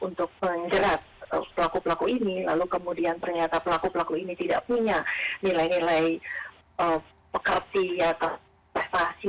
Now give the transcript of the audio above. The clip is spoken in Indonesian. untuk menjerat pelaku pelaku ini lalu kemudian ternyata pelaku pelaku ini tidak punya nilai nilai pekerti atau prestasi